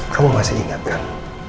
kamu masih ingat kan